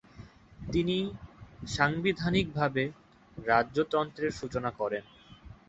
তিনি সাংবিধানিকভাবে রাজতন্ত্রের সূচনা করেন।